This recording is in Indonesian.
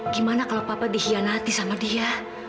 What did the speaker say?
gimana kalau papa dikhianati sama dia